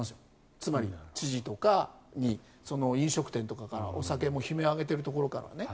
つまり、知事とかに飲食店とかからお酒の悲鳴を上げているところからね。